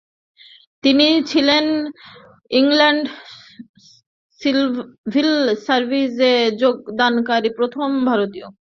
তিনি ছিলেন Indian civil সার্ভিসে যোগদানকারী প্রথম ভারতীয়।